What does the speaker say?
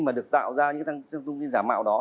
mà được tạo ra những trang thông tin giả mạo đó